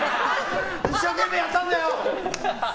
一生懸命やったんだよ！